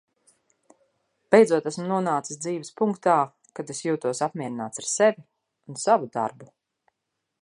Beidzot esmu nonācis dzīves punktā, kad es jūtos apmierināts ar sevi un savu darbu.